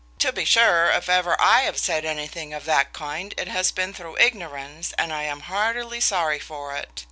To bee sur if ever I ave sad any thing of that kine it as bin thru ignorens, and I am hartili sorri for it.